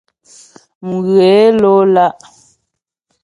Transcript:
Mghě ló lá'.